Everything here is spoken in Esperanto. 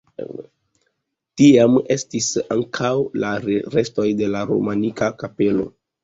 Tiam estiĝis ankaŭ la restoj de la romanika kapelo.